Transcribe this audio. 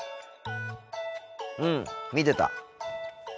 うん見てた。